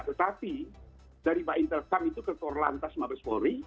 tetapi dari ba intelcam itu ke korlantas mabes polri